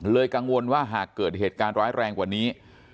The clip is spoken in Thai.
กังวลว่าหากเกิดเหตุการณ์ร้ายแรงกว่านี้